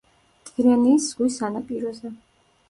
ტირენიის ზღვის სანაპიროზე.